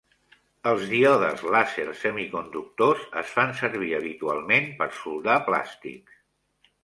Els díodes làser semiconductors es fan servir habitualment per soldar plàstics.